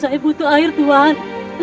saya butuh air tuhan